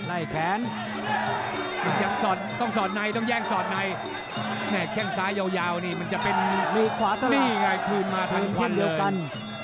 ไล่แผนต้องแย่งสอดในแค่งซ้ายาวนี่มันจะเป็นนี่ไงคืนมาทั้งควันเลย